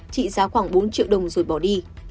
trị giá khoảng bốn triệu đồng rồi bỏ đi